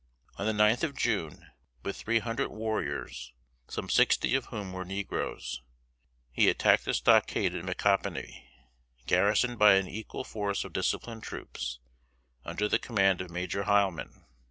On the ninth of June, with three hundred warriors, some sixty of whom were negroes, he attacked the stockade at Micanopy, garrisoned by an equal force of disciplined troops, under the command of Major Heilman.